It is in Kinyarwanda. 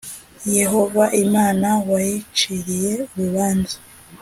Yehova Imana wayiciriye urubanza